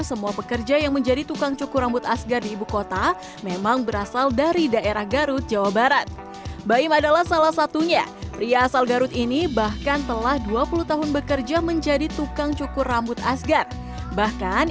simak informasinya dalam the michoam